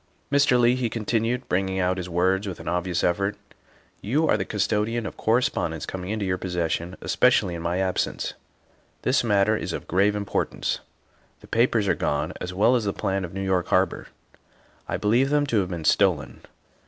" Mr. Leigh," he continued, bringing out his words with an obvious effort, " you are the custodian of cor respondence coming into your possession, especially in my absence. This matter is of grave importance. The papers are gone as well as the plan of New York Har bor. I believe them to have been stolen.